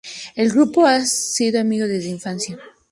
El grupo ha sido amigo desde la infancia.